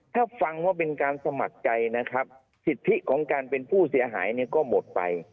ถ้าฟังว่าเป็นการสมัครใจนะครับสิทธิของการเป็นผู้เสียหายเนี่ยก็หมดไป